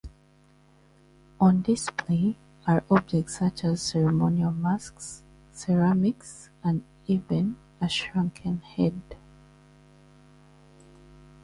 On display are objects such as ceremonial masks, ceramics, and even a shrunken head.